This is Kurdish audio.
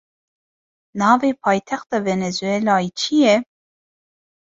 Navê paytexta Venezuelayê çi ye?